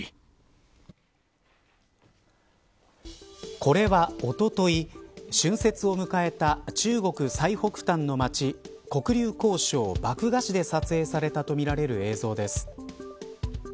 これは、おととい春節を迎えた中国、最北端の街黒竜江省漠河市で撮影されたとみられる映像です。